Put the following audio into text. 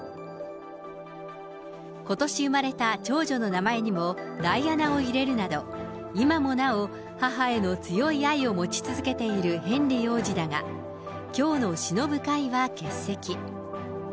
ことし生まれた長女の名前にも、ダイアナを入れるなど、今もなお、母への強い愛を持ち続けているヘンリー王子だが、きょうのしのぶ会は欠席。